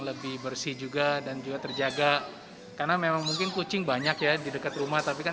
lebih bersih juga dan juga terjaga karena memang mungkin kucing banyak ya di dekat rumah tapi kan